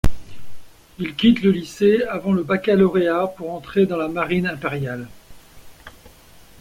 Il quitte le lycée avant le baccalauréat pour entrer dans la marine impériale.